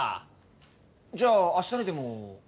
じゃあ明日にでも。